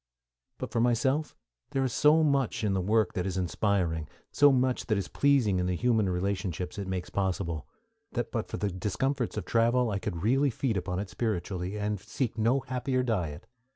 But for myself there is so much in the work that is inspiring, so much that is pleasing in the human relationships it makes possible, that but for the discomforts of travel I could really feed upon it spiritually, and seek no happier diet.